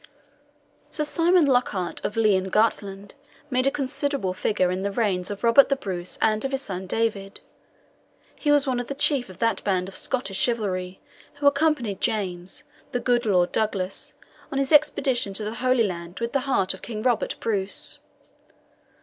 Sir Simon Lockhart of Lee and Gartland made a considerable figure in the reigns of Robert the Bruce and of his son David. He was one of the chief of that band of Scottish chivalry who accompanied James, the Good Lord Douglas, on his expedition to the Holy Land with the heart of King Robert Bruce.